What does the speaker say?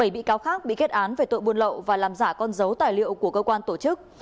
bảy bị cáo khác bị kết án về tội buôn lậu và làm giả con dấu tài liệu của cơ quan tổ chức